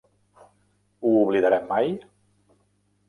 Ho oblidarem mai?